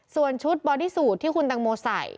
ส่วนชุดบอดี้สูตรที่คุณตังโมใส่